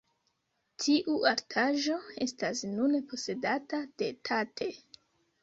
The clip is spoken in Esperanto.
Tiu artaĵo estas nune posedata de Tate.